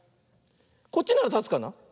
こっちならたつかな。